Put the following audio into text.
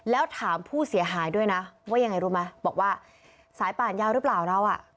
แล้วถามผู้เสียหายด้วยนะว่ายังไงรู้ไหมบอกว่าสายป่านยาวหรือเปล่าเราอ่ะ